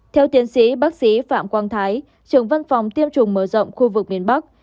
theo tiến sĩ bác sĩ phạm quang thái trưởng văn phòng tiêm chủng mở rộng khu vực miền bắc